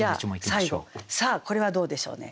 最後さあこれはどうでしょうね。